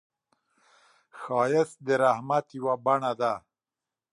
ښایست د رحمت یو بڼه ده